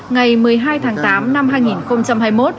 ngày một mươi hai tháng tám năm hai nghìn hai mươi một